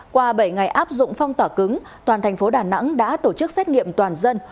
qua bảy ngày áp dụng phong tỏa cứng toàn thành phố đà nẵng đã tổ chức xét nghiệm toàn dân